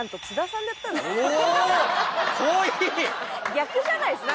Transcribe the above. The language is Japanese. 逆じゃないですか？